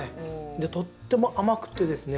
でとっても甘くてですね。